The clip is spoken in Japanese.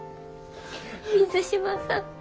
水島さん。